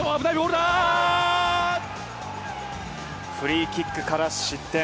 フリーキックから失点。